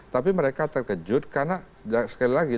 tapi mereka terkejut karena sekali lagi